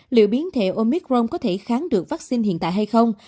liệu biến thể omicron có thể kháng được vaccine hiện tại hay không